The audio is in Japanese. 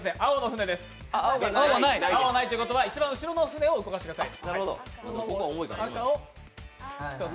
青がないということは、一番後ろの船を動かしてください。